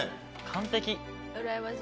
完璧！